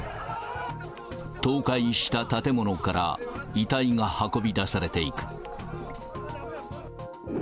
倒壊した建物から遺体が運び出されていく。